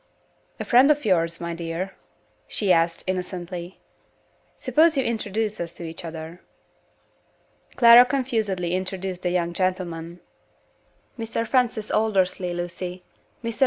"A friend of yours, my dear?" she asked, innocently. "Suppose you introduce us to each other." Clara confusedly introduced the young gentleman. "Mr. Francis Aldersley, Lucy. Mr.